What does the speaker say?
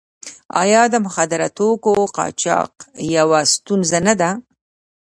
آیا د مخدره توکو قاچاق یوه ستونزه نه ده؟